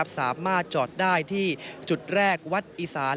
สามารถจอดได้ที่จุดแรกวัดอีสาน